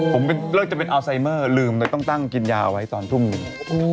ผมเลิกจะเป็นอัลไซเมอร์ลืมเลยต้องตั้งกินยาเอาไว้ตอนทุ่มหนึ่ง